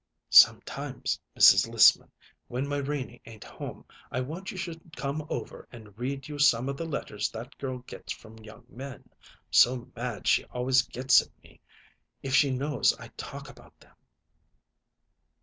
"Some time, Mrs. Lissman, when my Renie ain't home, I want you should come over and I read you some of the letters that girl gets from young men. So mad she always gets at me if she knows I talk about them."